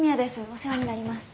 お世話になります。